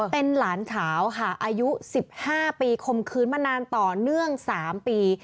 เป็นหลานสาวค่ะอายุ๑๕ปีคมคืนมานานต่อเนื่อง๓ปี